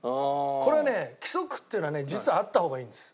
これはね規則っていうのはね実はあった方がいいんです